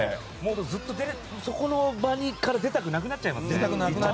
ずっとその場から出たくなくなっちゃいますね。